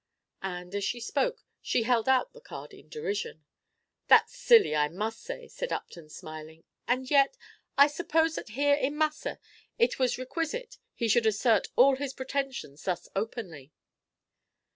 And, as she spoke, she held out the card in derision. "That's silly, I must say," said Upton, smiling; "and yet, I suppose that here in Massa it was requisite he should assert all his pretensions thus openly."